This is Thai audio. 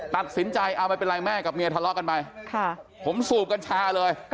ตัดสินใจเอาไม่เป็นไรแม่กับเมียทะเลาะกันไปผมสูบกัญชาเลย